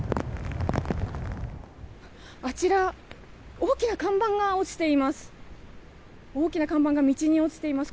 あちら大きな看板が落ちています。